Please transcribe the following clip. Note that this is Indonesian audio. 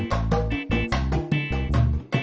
kapal ini kemurungan muda